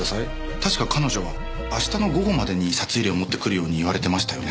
確か彼女は明日の午後までに札入れを持ってくるように言われてましたよね？